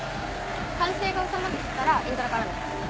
歓声が収まってきたらイントロからね。